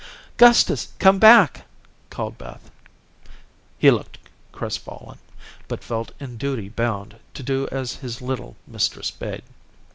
"Gustus, come back," called Beth. He looked crestfallen, but felt in duty bound to do as his little mistress bade.